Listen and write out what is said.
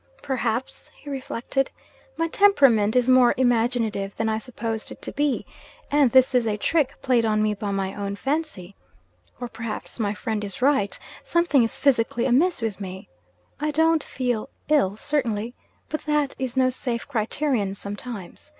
'Perhaps,' he reflected, 'my temperament is more imaginative than I supposed it to be and this is a trick played on me by my own fancy? Or, perhaps, my friend is right; something is physically amiss with me? I don't feel ill, certainly. But that is no safe criterion sometimes.